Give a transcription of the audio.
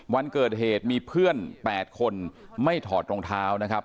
วันเกิดเหตุมีเพื่อน๘คนไม่ถอดรองเท้านะครับ